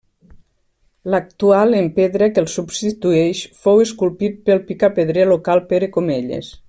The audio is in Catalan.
L'actual en pedra que el substitueix fou esculpit pel picapedrer local Pere Comelles.